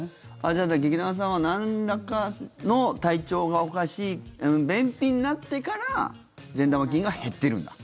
じゃあ劇団さんはなんらかの体調がおかしい便秘になってから善玉菌が減ってるんだ。